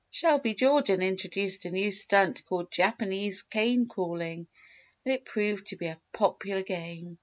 Shelby Jordan introduced a new stunt called "Japanese Cane crawling" and it proved to be a popular game.